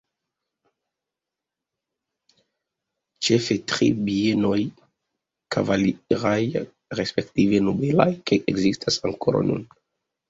Ĉefe tri bienoj kavaliraj respektive nobelaj ekzistas ankoraŭ nun.